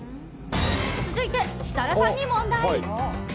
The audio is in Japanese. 続いて、設楽さんに問題。